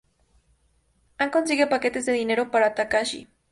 Han consigue paquetes de dinero para Takashi.